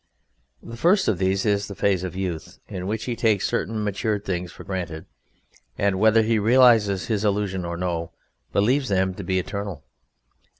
The first of these is the phase of youth, in which he takes certain matured things for granted, and whether he realizes his illusion or no, believes them to be eternal.